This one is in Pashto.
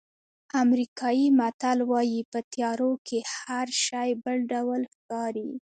امریکایي متل وایي په تیارو کې هر شی بل ډول ښکاري.